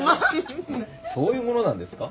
そういうものなんですか？